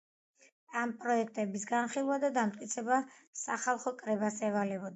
ამ პროექტების განხილვა და დამტკიცება სახალხო კრებას ევალებოდა.